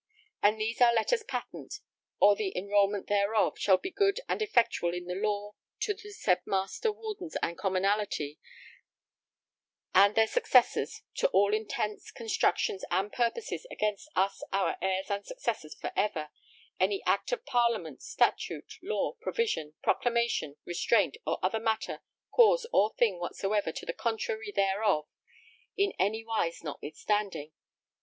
And these our letters patent or the enrolment thereof shall be good and effectual in the law to the said Master Wardens and Commonalty and their successors to all intents constructions and purposes against us our heirs and successors forever, any Act of Parliament statute law provision proclamation restraint or other matter cause or thing whatsoever to the contrary thereof in any wise notwithstanding.